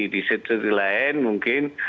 di sisi lain mungkin